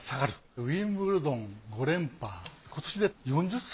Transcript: ウィンブルドン５連覇今年で４０歳。